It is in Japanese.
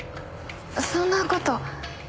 そんな事。